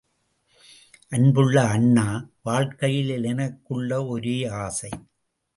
அன்புள்ள அண்ணா, வாழ்க்கையில் எனக்குள்ள ஒரே ஆசை!